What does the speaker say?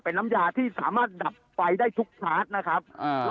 เป็นน้ำยาที่สามารถดับไฟได้ทุกชาร์จนะครับ